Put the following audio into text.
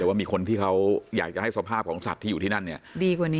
แต่ว่ามีคนที่จะให้สภาพสัตว์ที่อยู่ที่นั่นเนี่ย